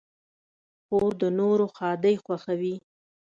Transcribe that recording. خور د نورو ښادۍ خوښوي.